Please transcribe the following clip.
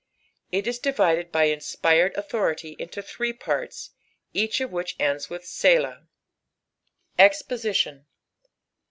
— Jt is diinJed by Inspired a>ilhority inio three parts, each qf uAicA ends with BAA. EXPOSITION.